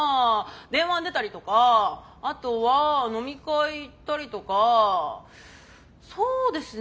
電話に出たりとかあとは飲み会行ったりとかそうですね